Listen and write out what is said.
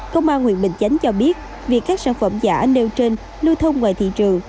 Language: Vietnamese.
công an huyện bình chánh cho biết việc các sản phẩm giả nêu trên lưu thông ngoài thị trường